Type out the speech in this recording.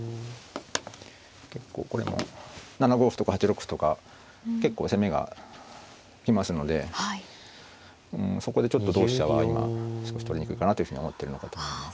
結構これも７五歩とか８六歩とか結構攻めが来ますのでそこでちょっと同飛車は今少し取りにくいかなというふうに思ってるのかと思います。